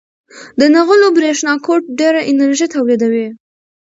د نغلو برېښنا کوټ ډېره انرژي تولیدوي.